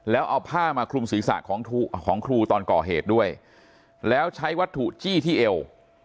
แล้วเอาผ้ามาคลุมศีรษะของครูตอนก่อเหตุด้วยแล้วใช้วัตถุจี้ที่เอว